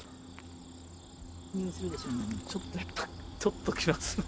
ちょっときますね。